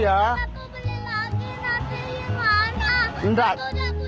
masa aku udah punya uang